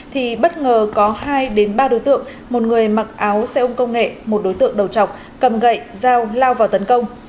thì bất ngờ có hai ba đối tượng một người mặc áo xe ôm công nghệ một đối tượng đầu chọc cầm gậy dao lao vào tấn công